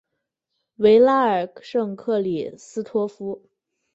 维拉尔圣克里斯托夫。